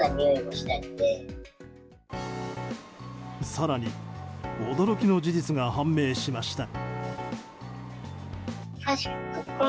更に驚きの事実が判明しました。